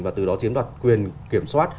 và từ đó chiếm đoạt quyền kiểm soát